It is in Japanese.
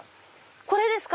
これですか？